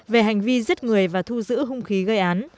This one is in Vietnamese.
về hành vi giết người và thu giữ hung khí gây án